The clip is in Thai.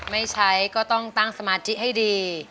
ไม่ใช้ก็ต้องตั้งสมาธิให้ดี